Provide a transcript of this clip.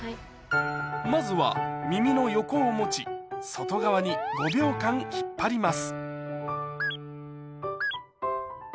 まずは耳の横を持ち外側に５秒間引っ張ります